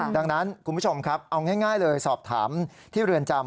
ดังนั้นคุณผู้ชมครับเอาง่ายเลยสอบถามที่เรือนจำ